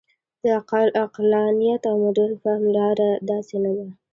د عقلانیت او مډرن فهم لاره داسې نه ده.